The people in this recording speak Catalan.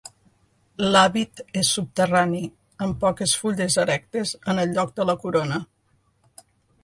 L'hàbit és subterrani amb poques fulles erectes en el lloc de la corona.